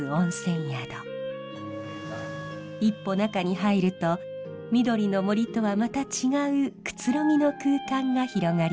一歩中に入ると緑の森とはまた違うくつろぎの空間が広がります。